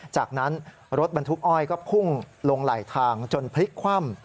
จากนั้นรถบรรทุกอ้อยก็พุ่งลงไหลทางจนพลิกคว่ำ